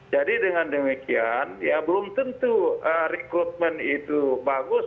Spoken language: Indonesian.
jadi dengan demikian ya belum tentu rekrutmen itu bagus